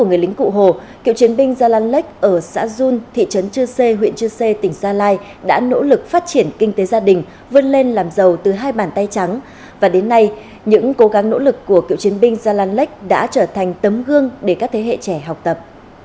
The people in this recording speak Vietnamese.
những cố gắng nỗ lực của cựu chiến binh ra lan lech đã trở thành tấm gương để các thế hệ trẻ học tập